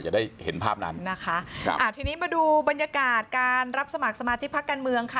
จะได้เห็นภาพนั้นทีนี้มาดูบรรยากาศการรับสมัครสมาชิกภาคการเมืองค่ะ